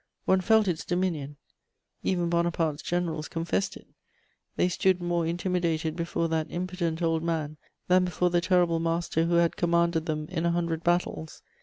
One felt its dominion: even Bonaparte's generals confessed it; they stood more intimidated before that impotent old man than before the terrible master who had commanded them in a hundred battles.